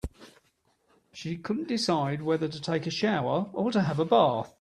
She couldn't decide whether to take a shower or to have a bath.